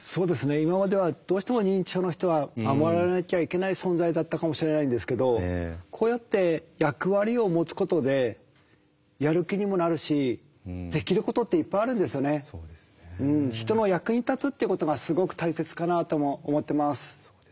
今まではどうしても認知症の人は守られなきゃいけない存在だったかもしれないんですけどこうやって人の役に立つっていうことがすごく大切かなとも思ってます。